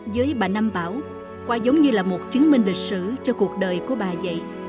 với bà nam bảo qua giống như là một chứng minh lịch sử cho cuộc đời của bà vậy